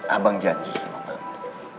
abang janji sama kamu